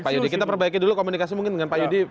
pak yudi kita perbaiki dulu komunikasi mungkin dengan pak yudi